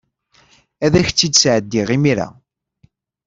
Ad ak-tt-id-sɛeddiɣ imir-a.